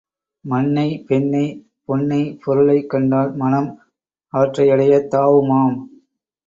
மண்ணை, பெண்ணை, பொன்னை, பொருளைக் கண்டால் மனம் அவற்றையடையத் தாவுமாம்.